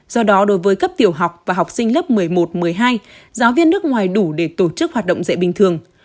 do đó đối với cấp tiểu học và học sinh lớp một mươi một một mươi hai giáo viên nước ngoài đủ để tổ chức hoạt động dạy bình thường